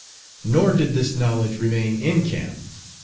Nor did this knowledge remain in camp.